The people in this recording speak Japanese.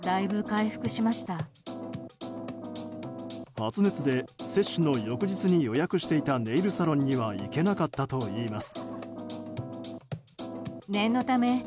発熱で接種の翌日に予約していたネイルサロンには行けなかったといいます。